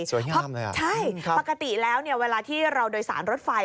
สวยงามเลยอ่ะครับใช่ปกติแล้วเวลาที่เราโดยสารรถไฟ